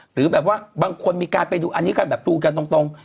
หรือแบบว่าบางคนมีการไปดูอันนี้กันแบบดูกันตรง